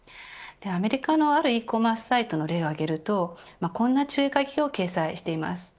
アメリカのあるｅコマースサイトの例を挙げるとこんな注意書きを掲載しています。